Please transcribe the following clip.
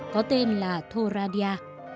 có tên là thoradia